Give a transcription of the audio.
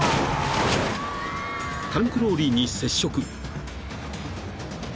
［タンクローリーに接触］